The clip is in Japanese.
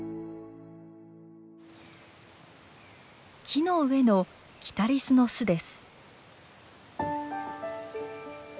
木の上のキタリスの巣です。